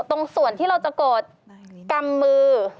ตรงส่วนที่เราจะกดกำมือ